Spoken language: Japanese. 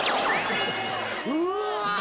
うわ。